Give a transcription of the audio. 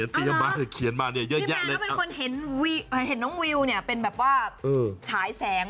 พี่แมนเป็นคนเห็นวิเห็นน้องวิลเป็นชายแสง